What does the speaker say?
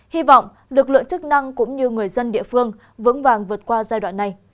hy vọng lực lượng chức năng cũng như người dân địa phương vững vàng vượt qua giai đoạn này